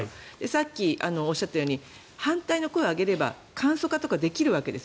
さっきおっしゃったように反対の声を上げれば簡素化とかできるわけです。